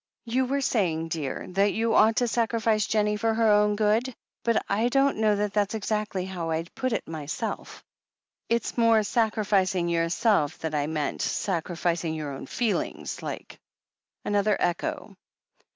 You were saying, dear, that you ought to sacrifice Jennie for her own good, but I don't know that that's exactly how I'd put it, myself. It's more sacrificing yourself that I meant — sacrificing your own feelings, like." Another echo.